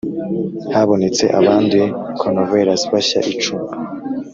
habonetse abanduye Coronavirus bashya icumi